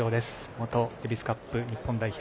元デビスカップ日本代表